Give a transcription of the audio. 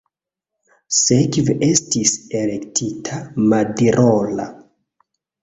Sekve estis elektita Mandirola.